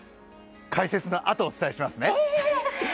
解説のあと、お伝えしますね。